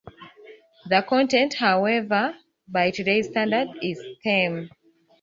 The content, however, by today's standard is tame.